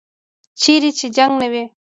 چیرې چې جنګ نه وي.